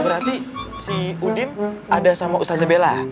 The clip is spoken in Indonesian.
berarti si udin ada sama ustazah bella